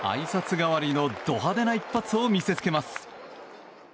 代わりのド派手な一発を見せつけます。